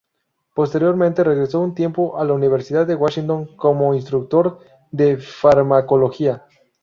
Posteriormente, regresó un tiempo a la Universidad de Washington como instructor de farmacología.